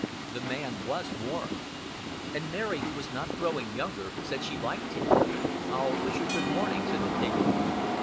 The man was warm; and Mary, who was not growing younger, said she liked him. "I'll wish you good morning," said the higgler.